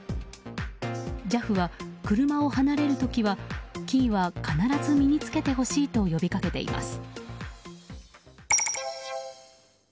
ＪＡＦは車を離れる時はキーは必ず身に着けてほしいと呼び掛けています。